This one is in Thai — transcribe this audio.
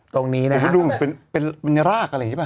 ตรงนี้นะครับเป็นรากอะไรใช่ไหมครับ